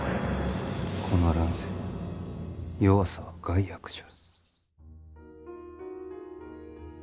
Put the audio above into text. この乱世弱さは害悪じゃ。